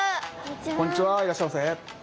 こんにちはいらっしゃいませ。